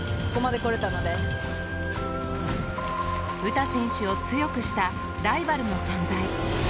詩選手を強くしたライバルの存在。